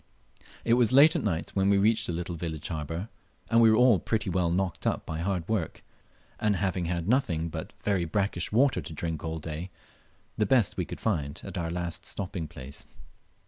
It was late at night when we reached the little village harbour, and we were all pretty well knocked up by hard work, and having had nothing but very brackish water to drink all day the best we could find at our last stopping place.